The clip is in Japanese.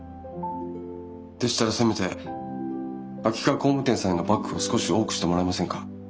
でしたらせめて秋川工務店さんへのバックを少し多くしてもらえませんか？